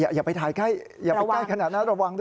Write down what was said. อย่าไปใกล้ขนาดนั้นระวังด้วย